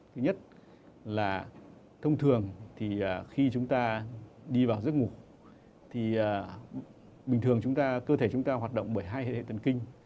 thứ nhất là thông thường thì khi chúng ta đi vào giấc ngủ thì bình thường cơ thể chúng ta hoạt động bởi hai hệ thần kinh